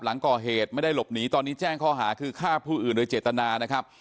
หลังก่อเหตุไม่ได้หลบหนีตอนนี้แจ้งข้อหาคือฆ่าผู้อื่นโดยเจตนานะครับ